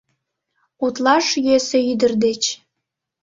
Утлаш йӧсӧ ӱдыр деч